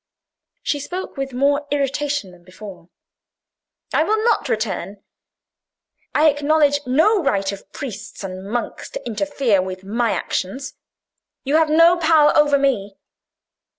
She spoke with more irritation than before. "I will not return. I acknowledge no right of priests and monks to interfere with my actions. You have no power over me."